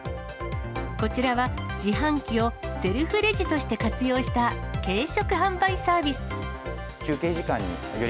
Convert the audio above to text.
こちらは自販機をセルフレジとして活用した、軽食販売サービスです。